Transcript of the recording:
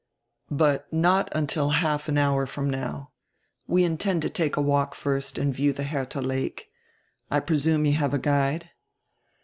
"But not until half an hour from now. We intend to take a walk first and view die Herdia Lake. I presume you have a guide?"